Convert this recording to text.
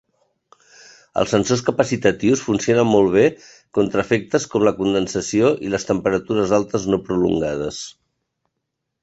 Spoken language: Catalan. Els sensors capacitius funcionen molt bé contra efectes com la condensació i les temperatures altes no prolongades.